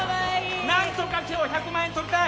なんとか今日１００万円とりたい！